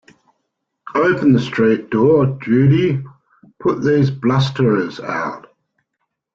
Open the street door, Judy; put these blusterers out!